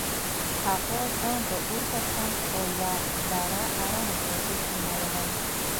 هغه زه د اور تر څنګ په یو زاړه ارامه څوکۍ کښینولم